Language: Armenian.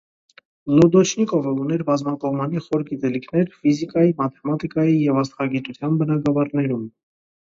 Լոդոչնիկովը ուներ բազմակողմանի խոր գիտելիքներ ֆիզիկայի, մաթեմատիկայի և աստղագիտության բնագավառներում։